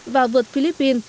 và vượt philippines